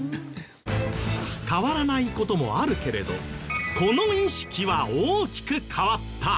変わらない事もあるけれどこの意識は大きく変わった。